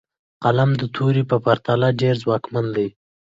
قلم د تورې په پرتله ډېر ځواکمن دی.